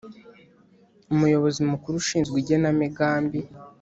Umuyobozi mukuru ushinzwe igenamigambi